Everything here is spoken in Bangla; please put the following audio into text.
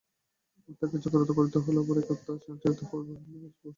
আত্মাকে জাগ্রত করিতে হইলে অপর এক আত্মা হইতেই শক্তি সঞ্চারিত হওয়া একান্ত আবশ্যক।